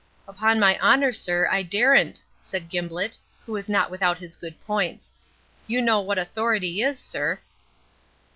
"Upon my honour, sir, I daren't," said Gimblett, who was not without his good points. "You know what authority is, sir."